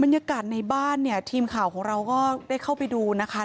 บรรยากาศในบ้านทีมข่าวของเราก็ได้เข้าไปดูนะคะ